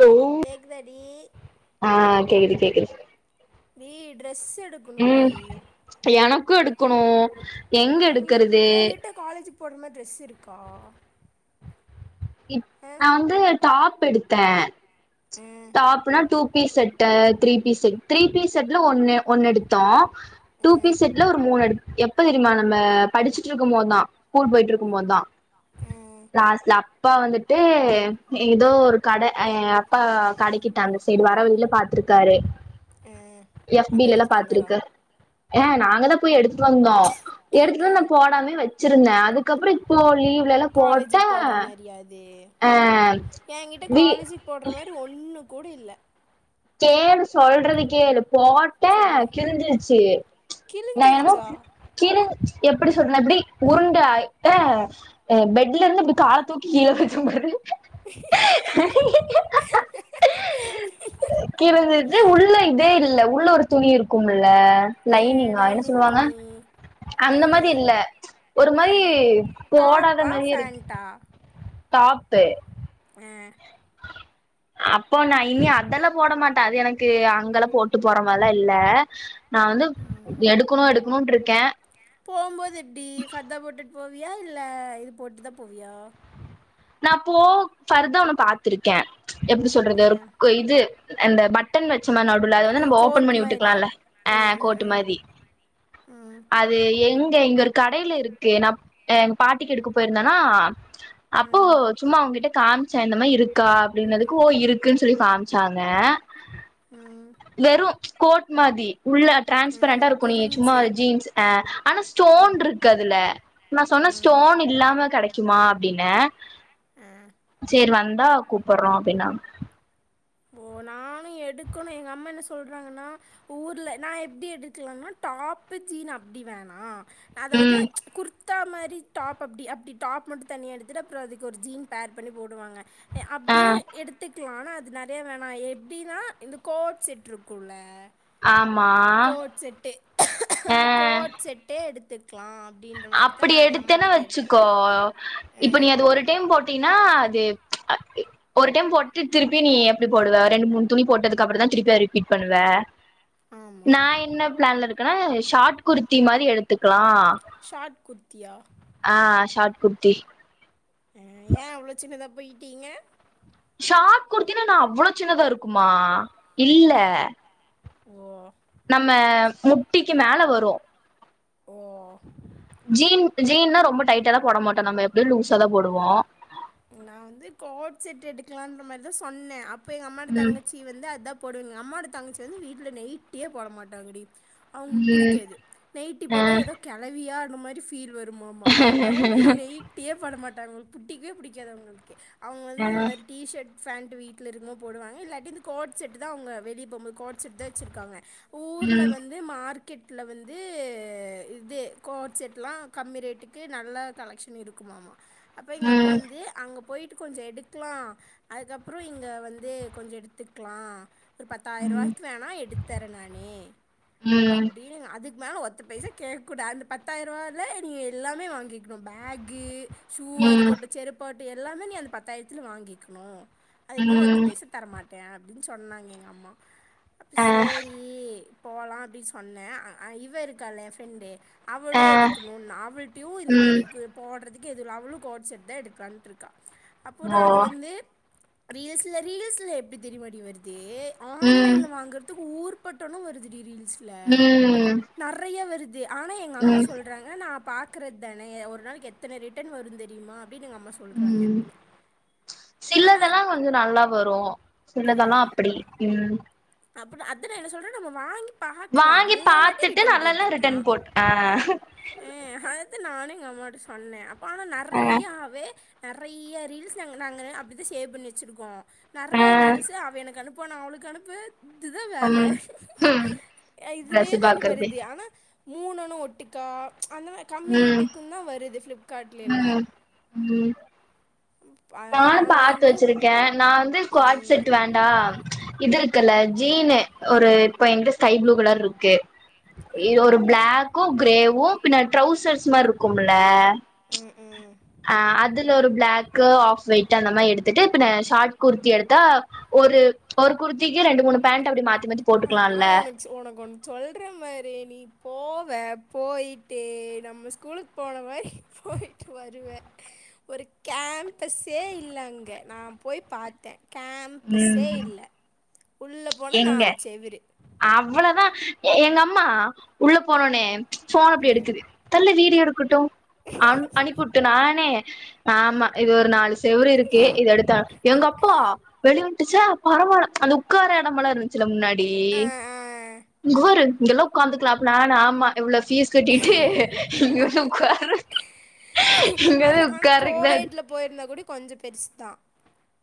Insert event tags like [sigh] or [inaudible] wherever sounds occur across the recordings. hello கேக்குதாடி ஆ கேக்குது கேக்குது நீ டிரெஸ் உம் கல்யாணம் புக்கு எடுக்கணு எங்க நீ எடுக்கறது உங்கிட்ட காலேஜுக்கு போடுற மாரி ட்ரெஸ் இருக்கா இப் ஆ நா வந்து டாப் எடுத்தே ஆ டாப்புனா two piece set three piece set three பீஸ்செட்ல ஒன்னு ஒன்னு எடுத்தோ டூ ஆ பீஸ் செட்ல ஒரு மூணு எடுத்து எப்ப தெரியுமா நம்ம படிச்சுட்டு இருக்கும் போதுதா ஸ்கூல் போயிட்டு இருக்கும் போதுதா ஆ [unintelligible] அப்பா வந்துட்டு ஏதோ ஒரு கடை எயா அப்பா கடைக்கிட்ட அந்த சைடு வர வழில பாத்துருக்காரு ஆ எஃப் பி அப்போ லல்லா எடுத்துட்டு வந்தாரா பாத்துருக்கு ஆஹ நாங்க தா போய் எடுத்து வந்தோ எடுத்துட்டு ஆ வந்து நா போடாமயே வெச்சிருந்தே அதுக் அதுக்கப்புறோ இப்போ லீவ்ல எல்லா போட்டே ஆ எங்கிட்ட வீ காலேஜுக்கு போட்ற மாரி ஒன்னு கூட இல்ல கேளு சொல்றது கேளு போட்டே சொல்லு கிழிஞ்சிருச்சு நானு கிழிஞ்சிருச்சா கிழி எப்டி சொன்னெப்டி உருண்டு ஆய்ட்ட அ பெட்ல இருந்து இப்டி கால தூக்கி கீழே வைக்கும் போது கீழே இந்த இது உள்ள இதே இல் இல்ல உள்ள ஒரு துணி இருக்குமுல்ல ஆ லைனிங்கா என்ன லைனிங் சொல்லுவாங்க துணி அந்த மாதி லைனிங்கு இல்ல ஒரு மாரி ஆ போடாத டாப்பா மாரியேருக்கு ஃபேண்ட்டா காப்பு அஹ் அப்போ நா இனி அதெல்லா போட மாட்டே அது எனக்கு அங்கெலா போட்டு போற மார்ல்லா இல்லே நா வந்து எடுக்கணு எடுக் னூன்றுக்கே போம்போதெப்டி ஃபர்தா போட்டுட் போவியா இல்ல இது போட்டுதா போவியா நான் போ ஃபர்தா ஒன்னு பாத்ருக்கே எப்டி சொல்றது ஆ ஒருக் இது அந்த பட் டன் வெச்சமெ நடுல அத வந்து நம்ம ஓப்பன் கோட் பண்ணி மாதிரி விட்டுக்லால அ ம் கோட்டு ம் மாரி ம் ம் அது எங் கே இங்க ஒரு கடைல இருக்கு நாப் ஆ எங் பாட்டிக்கு எடுக்க பொயிர்ந்தனா அப்போ ம் சும்மா அவங்கிட்ட காம்ச்ச இந்த மாரி இருக் க்கா அப்டினதுக்கு ஓ இருக்குன்ஸ் சொல்லி காம்ச்சாங்க ம் வெறும் ச்சு கோட் மதி உள்ள ம் டிரான்ஸ்பரண்டா ம் இருக்கு நீ சும்மா புரிஞ்சு ஜீன்ஸ் எ ஆனா ஸ்டோன் ம் இருக்கு அதுல நா சொன்ன ம் ஸ்டோன் இல்லாம கெடைக்குமா அப்டின்னு எ ஆ சேரி வந் ந்த கூப்பட்றோ அப்டின்னாங்க ஓ நானு எடுக்கணு எங்க அம்மா என்ன சொல்றாங்கன்னா ஊர்ல நா எப்டி எடுக்கலான்னா டாப்பு ஜீன் அப்டி வேணா அதாவது ம் ச்சு குர் த்தா மாரி டாப் அப்டி அப்டி டாப் மட்டு தனியா எடுத்துட்டு அப்பறோ அதுக் ஒரு ஜீன் பேர் பண்ணி போடுவாங்க எ ஆ அப்டியு எடுத்து க்லா ஆனா அது நற் தே வேணா எப்டினா இந்த கோட் செட்ருக்கூல்ல ஆமா கோட் செட்டு ஆ அந்த கோட் செட்டே எடுத்துட் க்லா அப் அப்டி எடுத்தேனா வச்சுக்கோ இப்ப நீ அது ஒரு டைம் போட்டீனா து அ இ ஒரு டைம் போட்டு திருப்பி நீ எப்டி போடுவ ரெண்டு மூணு துணி போட்டதுக்கப்றோந்தா திருப்பி அத ரிப்பீட் பண்ணுவ நா ஆமாம் என்ன ப்ளான்லருக் கா ஷாட் குர்த்தி மாரி எடுத்துக்லா ஷா ஆட் குர்த்தியா தி அ ஏ அவ்ளோ சின்னதாப் போய்ட்டீங்க ஷாட் குர்த்தினா எனா அவ்ளோ சின்னதா இருக்குமா இல்ல ஓ நம்ம முட்டிக்கு மேல வரூ ஓ ஜீன் ஜீன்ன்னா ரொம்ப டைட்டாலா போட மாட்டோ நம்ம எப்டியூ லூஸா தா போடுவோ நான் வந்து கோட் செட் எடுக்கலான்ற மாரிதா சொன்னே அப் ப எங்க அம்மாட ம் தங்கச்சி வந்து அதாப் போடுய்ங்க அம்மா ஓட தங்கச்சி வந்து வீட்ல நைட்டியே போட மாட்டாங்கடி அவுங்கு ம் புடிக்காது நைட்டி அ போட்டா ஏதோ கெழவியா ந்த மாரி ஃபீல் வருமாமா அதுனால நைட்டியே போடமாட் டாங் புடிக்கவே புடிக் காது அவுங்ளுக்கு அவுங்க அ வந்து இந்த மாரி டி ஷட் ஃபேண்ட் வீட்லருக்குமோது போடுவாங்க இல்லாட்டி இந்த கோட் செட் தா அவுங்க வெளிய போம்போது கோட் செட் தா வச்சிருக்காங்க ஊர்ல ம் வந்து மார்க் கெட்ல வந்து இது கோட் செட்லா கம்மி ரேட்டுக்கு நல்லா கலெக்ஷன் இருக்குமாமா அப்ப எங்க அம்மா ம் வந் அங்க போயிட்டு கொஞ்சோ எடுக்லா அதுக்கப்புறோ இங்க வந்து கொஞ்சோ எடுத்துக்லா ஒரு ம் பத்தாயிரூவாய்க்கு வேணா எடுத்தர்றே நானு ம் அப்டினு அதுக் மேல ஒத்த பைசா கேக்கூடாது பத்தாயிரூவாய்ல நீ எல்லாமே வாங்கிக்கணு பேகு ஷூவா ம் இருக்கட்டூ பட் எல்லாமே நீ அந்த பத்தாயிரத்துல வாங்கிக்கணு அதுக்கு மேல ஒத்த ம் பைசா தரமாட் டே அப்டின்னு சொன்னாங்க எங்க அம்மா அப்ப அ சேரி போலா அப்டி சொன்னே அ இவ இருக்கால என் ஃப்ரெண்டு அவளு அ எடுக்ணுணா அவுள்டையு இந்த மாரி ம் கு போடுறது எது இல்ல அவளு குவாட் செட் தா எடுக்கலான்ட்டு இருக்கா அப்போ ஓ நாங்க வந்து ரீல்ஸ்ல ரீல்ஸ்ல எப்டி தெரியுமாடி வருது ஏ ம் ஆன்லைன்ல வாங்றதுக்கு ஊர் பட்டணு வருதுடி ரீல் ஸ்ல ம் நெறைய வருது து ஆனா எங்க அம்மா ம் சொல்றாங்க நான் பாக்குறது தானே ஒரு நாளைக்கு எத்தன ரிட்டர்ன் வரு தெரியுமா அப்டின்னு எங்க அம்மா சொல்றாங்க உம் ஆனா சிலதெல்லா கொஞ்ச நல்லா வரு சிலதெல்லா அப்டி உம் அப்புற அதுல என்ன சொல்ற நம்ம வாங்கி பாக்லா வாங்கி நல்லா இல்லாட்டி பாத்துட்டு ரிட்டர்ன் நல்லால்ல போட்டுக்லா ரிட்டன் போட் அ அததா நானு ந முன்னாடி சொன்னே பானம் அ நெறையாவே நெறையா ரீல்ஸ் நாங்க நாங்கள அப்டி தான் சேவ் பண்ணி வச்சுருக்கோம் நெறைய அ ரீல்ஸ் அவ எனக்கு அனுப் இப்ப நான் அவளுக்கு அனுப்பு இதுதான் வேல ம் ம் இதுவே ட்ரெஸ்ஸு தாண்டி பாக்குறது வருது ஆனா மூணு அன்னோ ஒட்டிக்கா ச்சு அந்த மாரி கம்மி ம் ரேட்டுக்கும் தான் வருது பிளிப்கார்ட்ல எல்லா நான பாத்து வச்சிருக்கேன் நான் வந்து கோட் ம் செட் வேண்டாம் இது இருக்கல்ல ஜீனு ஒரு இப்ப என ஸ்கைப்ளூ கலர் இருக்கு இது ம் ஒரு பிளாக்கும் கிரேவும் பின்னா ட்ரௌசர்ஸ் மாரி இருக்கும்ல ச்சு ம் ம் ஆஹ் அதுல ஒரு பிளாக்கு ஆஃப் ஒயிட் அந்த மாரி எடுத்துட்டு பின்ன ஷார்ட் குர்த்தி எடுத்தா ஒரு ஒரு குர்த்திக்கு ரெண்டு மூணு பேண்டட் அப்படி மாத் ஆனா உனக்கு ச் உனக்கு ஒண்ணு சொல்ற மாரி நீ போவ போயி்டட்டு நம்ம ஸ்கூலுக்கு போன மாரி போய்டிட்டு வருவ ஒரு கேம்பஸே இல்லை அங்கே நான் போய் பாத்தேன் கேம்பஸே ம் இல்ல உள்ள போன நாள் செவுரு தா எங்க அம்மா உள்ள போனோனே ச்சு போன் அப்படி எடுக்குது தள்ளு வீடியோ எடுக் குட்டோ அன் அணிபுட்டு நானே ஆமா இது ஒரு நாலு செவுரு இருக்கே இது எடுத்தா எங்க அப்பா வெளிய [unintelligible] [unintelligible] பரவல அந்து உக்கார நம்மள இருந்துச்சுல முன்னாடி [unintelligible] இங்கெல்லா உக்காந்துக்கலா அப்ப நானு ஆமா இவ்ளோ பீஸ் கட்டிட்டு இங்க வந்து உக்காரற இங்க வந்து உக்கார்றக்குதா அது கொஞ்சோ பெருசு தா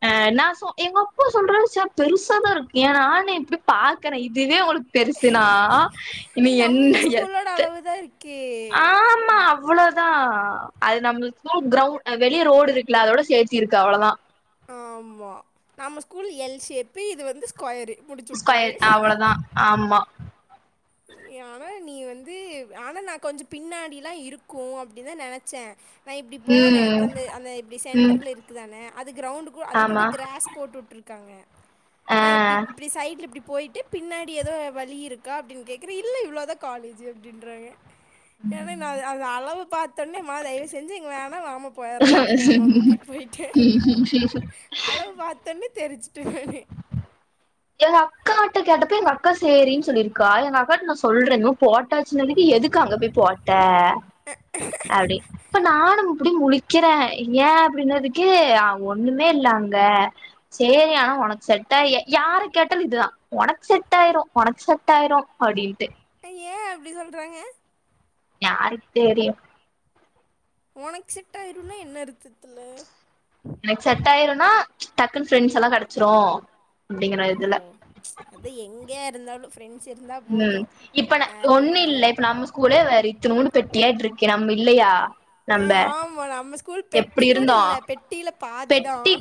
ஆஹ் நா சொ எங்க அப்பா சொல்றறு சார் பெருசாதா இருக்கு ஏன ஆன்லைன்ல பேய் பாக்குறே இதுவே உங்களுக் பெருசுனா நீ இனி என்ன நம்ம ஸ்கூலோட எத்த அளவு தான் இருக்கு ஆமா அவ்ளோதா அது நம்ம ஸ்குல் கிரவுண்ட் ஆஹ் வெளிய ரோடு இருக்குல அதோட சேத்தி இருக்கு அவ்ளோதா ஆமா நம் ஸ்கூல் எல் ஷேப் இது வந்து ஸ்கொயர் ஸ்கொயர் அவ்ளதா ஆமா ஆனா நீ வந்து ஆனா நா கொஞ்சோ பின்னாடிலா இருக்கும் அப்டின்னு தான் நெனச்சேன் நா இப்டி போனே ம் அந்த அந்த இப்டி ம் சென்டர்ல இருக்கு தானே அது கிரவுண்ட் கூ அது கூட ஆமா கிராஸ் போட்டு உட்டு இருக்கு க்காங்க ஆ நா எப்டி இப்டி சைட்ல இப்டி போயிட்டு பின்னாடி ஏதோ வழி இருக்கா அப்டின்னு கேட் க்ற இல்ல இவ்ளோ தா காலேஜ்அப்டிங்குறாங்க ஏன்னா நா அத அளவு பாத்தோனே மா தயவு செஞ்சு இங்க வேணா வா மா போயிரலா அப்டின்னு எங்க அம்மாவ கூட்டிட்டு போய்ட்டே அளவு பாத்தோன்னே தெரிச்சிடுவேனே எங்க அக்கா கிட்ட கேட்டப்ப எங்க அக்கா சேரின்னு சொல்லியிருக்கா எங்க அக்காட நா சொல்றே இன்னு போட்டாச்சுனதுக்கு எதுக்க அங்க போய் போட்ட அப்டி இப்ப நானு அப்டி முளிக்கிறே ஏ அப்டின்றதுக்கு ஒண்ணுமே இல்ல அங்க சேரி ஆனா உனக்கு செட் ஆ யாரு கேட்டால இதுதான் உனக் சேட் ஆயிரும் உனக் சேட் ஆயிரும் அப்டின்ட்டு ஏ அப்டி சொல்றாங்க யாருக்கு தெரியு உனக்கு செட் ஆயிரும்னா என்ன அர்த்ததுல எனக்கு செட் ஆயிரும்ன்னா டக்குனு ஃப்ரண்ட்ஸ் எல்லா கெடச்சிரு அப்டிங்கிற ஓ இதுல அதா எங்க இருந்தாலு ஃப்ரண்ட் ம் இப்ப நா ஒண்ணு வேணு இல்ல இப்ப நம்ம ஸ்கூலே பாரு இத்தனோண்டு பெட்டியாட்டுகுக்கு நம்ப இல்லையா அ நம்ப ஆமா நம்ம ஸ்கூல் பெட்டி எப்டி கூட இருந்தோ இல்ல பெட்டில பாதிதான் பெட்டி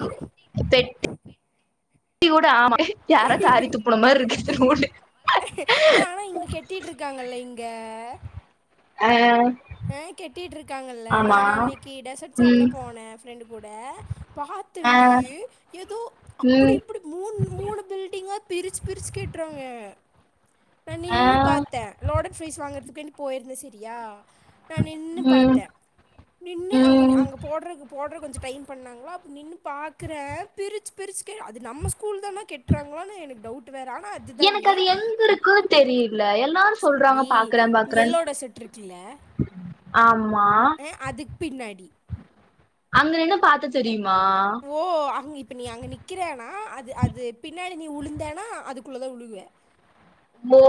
டி கூட ஆமா யாரோ காரி துப்புன மாரி இருக்கு இத்துனூண்டு நீ ஆனா இங்க கெட்டிட்டு இருக்காங்கல்ல இங்க அ ஆ ஆ கட்டிட்டு இருக்காங்கல்ல நா ஆமா அன்னைக்கு டெசர்ட் சாப்ட ம் போனே ஃப்ரண்ட் கூட கூட ஆ பாாத்தேண்டி ஏதோ அப்டி ம் இப்டி மூணு மூணு பில்டிங்கா பிரிச்சு பிரிச்சு கேட்ருவாங்க நா ஆ நின்னு பாத்த லோடடு ஃபீஸ் வாங்குறதுக்கு என போயிருந்தே செரியா நா நின்னு ம் பாத்தே நின்னு அங்க ம் அங்க போடுற போடுறது கொஞ்ச ப்ரையிங் பண்ணாங்ளா நின்னு பாக்குற பிரிச் பிரிச்கே அது நம்ம ஸ் கூல் தானா கெட்றாங்ளானு எனக்கு டவு வேற ஆனா எனக்கு அதுதான்டி அது எங்க இருக்குன்னு தெரியல எல்லாரு சொல்றாங்க டி பாக்குறே எல்லோட செட்ருக்குல்ல ஆம் அஹ் அதுக் பின்னாடி அங்க நின்னு பாத்தா தெரியும் மா ப நீ அங்க நிக்கிறேனா அது அது பின்னாடி நீ உழுந்தேன்னா அதுக்குள்ள தா உழுவ ஓ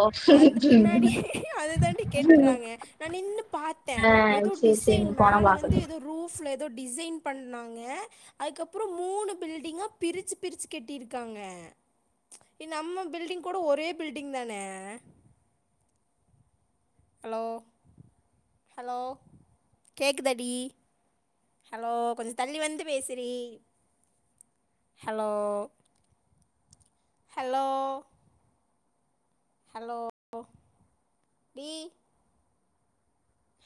ஆ அந்த பின்னாடி சேரி அத தாண்டி கெட்றாங்க நா நின்னு பாத்தே எதோ சேரி டிசைன் நீ போனா மேல வந்து பாக்கணு எதோ ரூஃப்ல எ தோ டிசைன் பண்ணாங்க அதுக்கப்றோ மூணு பில்டிங்கா பிரிச்சு பிரிச்சு கெட்டிருக்காங்க எ நம்ம பில்டிங் கூட ஒரே பில்டிங் தான அலோ கேக்குதாடி ஹலோ கொஞ்ச தள்ளி வந்து பேசுறி ஹலோ ஹலோ ஹலோ டி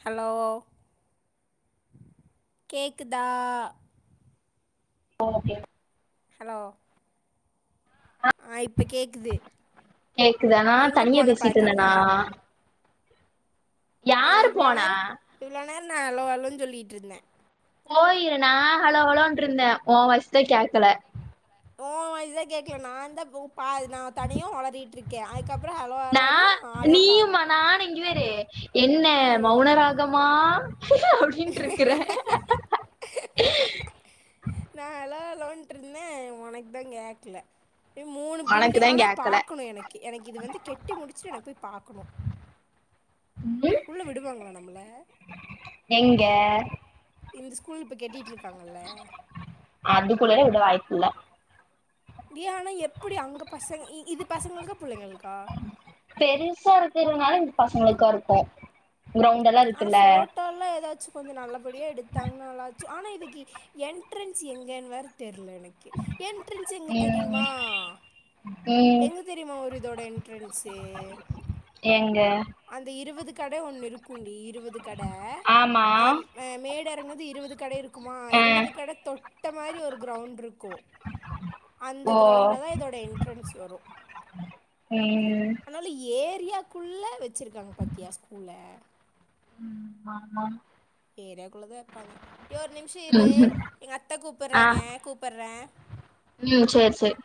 ஹலோ கேக்குதா ஓகே ஹலோ அ ஆ இப்போ கேட்குது கேக்குது ஆனா எங்கே தனியா போன பாதியில பேசிட்டிருந்தனா ஏனா இவ்ளோ நேரோ இவ்ளோ நேர் நா அலோ அலொன் சொல்லிட்ருந்தே போயிரு நா ஹலோ ஹலோன்ட்ருந்தே ஓ வாய்ஸ் தா கேக்கல உ வாய்ஸ் தா கேக்கல நா தா உ பா நா தனியா ஒளறிட்ருக்கே அத் நா நீயுமா நானு இங்கி பாரு என்ன ம் மௌனராகமா அப்புடின்ட்ரிக்கிற லோன்ட்ருந்தே ஒனக்தாங் கேக்குல எப்படியு மூணு பில்டு ஒனக்குதா ஆனா கேக்கல பாக்கணு எனைக்கி எனைக் இது வந்து கெட்டி முடிச்ட்டு எனக் போய் பாக்கணு ம் உள்ள விடுவாங்ளா நம்மள எங்க இந்த ஸ்கூல் இப்ப கெட்டிட்ருக்காங் அதுக்குள்ளேலா விட வைப்புயில்ல டீ ஆனா எப்புடி அங்க பசங்க இது பசங்களுக்கா புள்ளைங்களுக்கா பெருசா இருக்குறனால இது பசங்களுக்கா இருக்கு கிரவுண்ட்டெல்லா இருக்குல கொஞ்சோ நல்லபடியா எடுத்தாங்குனாலாச்சு ஆனா இதுக்கி என்ட்ரென்ஸ் எங்கேன் வேற தெர்ல னக்கே எண்ட்ரென்ஸ் எங்க தெரியுமா ம் ம் எங்க தெரியுமா ஒரு இதோட எண்ட்ரென்ஸு எங்க அந்த இருவது கட ஒன்னு இருக் குண்டி இருவது கட ஆமா அது மே மேல் கீழ இறங்குனதும் இருபது கட இருக் க்குமா ஆ இருபது கட தொட்ட மாதிரி ஒரு கிரவுண்டு இருக்கும் அந்த ஓ கிரவுண்டுல தான் இதோட எண்ட்ரன்ஸ் வரும் ம் தியக்குள்ள வெச் வச்சுருக்காங்க பாத்தியா ஸ்கூல்ல உம் ஆமாம் ஏரியாக்குள்ளதா இர்ப்பாங்க ஏ ஒர் நிம்ஷொ இரு ம் எங்க அத்த கூப்புர்றாங்க கூப்புர்றே உம் சேர் சேர்